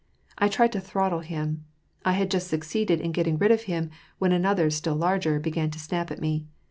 I tried to throttle him. And I had just succeeded in getting rid of him, when another, still larger, began to snap at me.